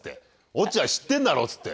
「落合知ってんだろ？」つって。